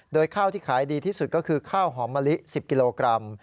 โดยข้าวที่ขายดีที่สุดก็คือข้าวหอมมะลิ๑๐กิโลกรัม